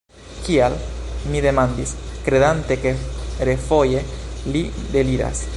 Kial? mi demandis, kredante ke refoje li deliras.